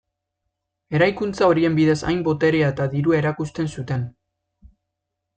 Eraikuntza horien bidez hain boterea eta dirua erakusten zuten.